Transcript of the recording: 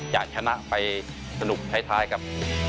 อยากชนะไปสนุกท้ายครับ